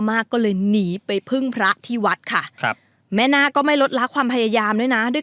มากก็เลยหนีไปพึ่งพระที่วัดค่ะครับแม่นาคก็ไม่ลดละความพยายามด้วยนะด้วย